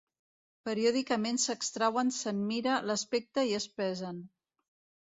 Periòdicament s'extreuen, se'n mira l'aspecte i es pesen.